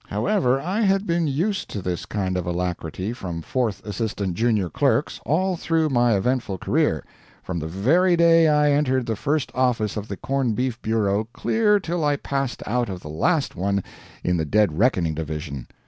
However, I had been used to this kind of alacrity from Fourth Assistant Junior Clerks all through my eventful career, from the very day I entered the first office of the Corn Beef Bureau clear till I passed out of the last one in the Dead Reckoning Division.